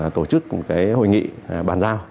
tổ chức một hội nghị bàn giao